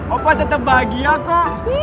apa tetep bahagia kak